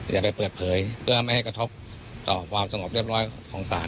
อย่าไปเปิดเผยเพื่อไม่ให้กระทบต่อความสงบเรียบร้อยของศาล